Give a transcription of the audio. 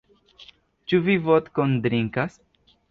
Ĉu vi vodkon drinkas?